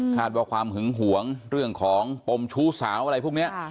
ว่าความหึงหวงเรื่องของปมชู้สาวอะไรพวกนี้